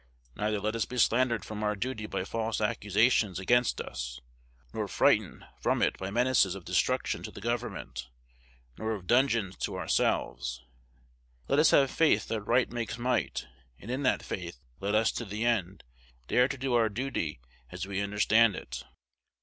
Neither let us be slandered from our duty by false accusations against us, nor frightened from it by menaces of destruction to the Government, nor of dungeons to ourselves. Let us have faith that right makes might; and in that faith, let us, to the end, dare to do our duty as we understand it.